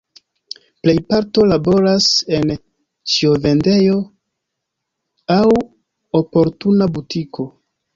Plejparto laboras en ĉiovendejo aŭ oportuna butiko.